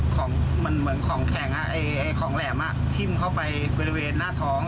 ของมันเหมือนของแข่งอ่ะไอ้ของแหลมอ่ะทิ่มเข้าไปบริเวณหน้าท้อง